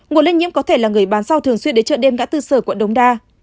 nguồn lây nhiễm có thể là người bán rau thường xuyên đến chợ đêm ngã tư sở quận đống đa